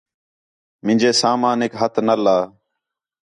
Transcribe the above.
مینجے سامانک ہتھ نہ لا